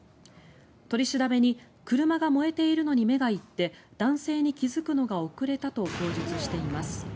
取り調べに車が燃えているのに目が行って男性に気付くのが遅れたと供述しています。